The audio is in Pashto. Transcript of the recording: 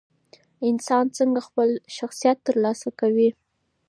انسان څنګه خپل شخصیت ترلاسه کوي؟